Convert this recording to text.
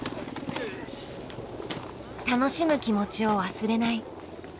「楽しむ気持ちを忘れない」。